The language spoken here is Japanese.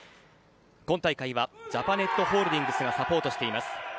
今大会はジャパネットホールディングスがサポートしています。